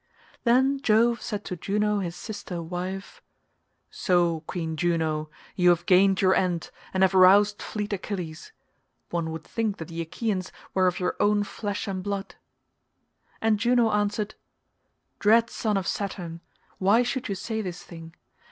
Then Jove said to Juno his sister wife, "So, Queen Juno, you have gained your end, and have roused fleet Achilles. One would think that the Achaeans were of your own flesh and blood." And Juno answered, "Dread son of Saturn, why should you say this thing?